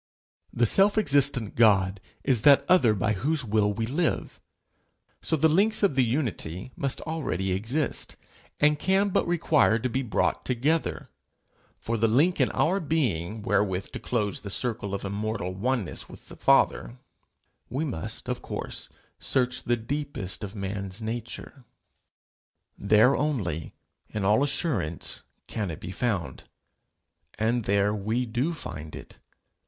The self existent God is that other by whose will we live; so the links of the unity must already exist, and can but require to be brought together. For the link in our being wherewith to close the circle of immortal oneness with the Father, we must of course search the deepest of man's nature: there only, in all assurance, can it be found. And there we do find it.